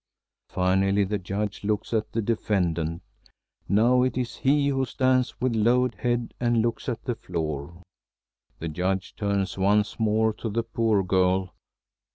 Finally, the Judge looks at the defendant. Now it is he who stands with lowered head and looks at the floor. The Judge turns once more to the poor girl.